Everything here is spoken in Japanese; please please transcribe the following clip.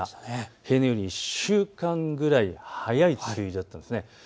平年よりも１週間ぐらい早い梅雨入りだったんです。